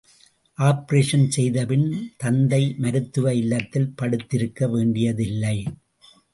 Operation செய்தபின் தந்தை மருத்துவ இல்லத்தில் படுத்திருக்க வேண்டியதில்லை.